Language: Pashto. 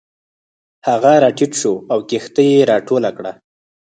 هغه راټیټ شو او کښتۍ یې راټوله کړه.